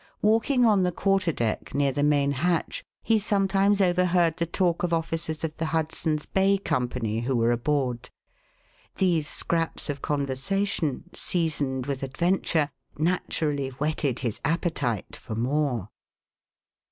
Walking on the quar ter deck, near the main hatch, he sometimes overheard the talk of officers of the Hudson's Bay Company, who were aboard. These scraps of conversation, seasoned with adventure, naturally whetted his appetite for more.